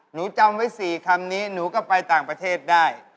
หนูจำไว้๔คำนี้หนูก็ไปต่างประเทศได้